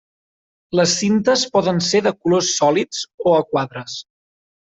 Les cintes poden ser de colors sòlids o a quadres.